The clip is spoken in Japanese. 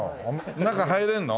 中入れるの？